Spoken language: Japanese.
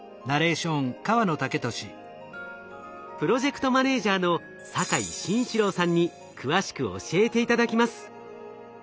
プロジェクトマネージャの坂井真一郎さんに詳しく教えて頂きます。